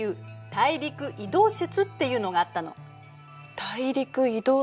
大陸移動説。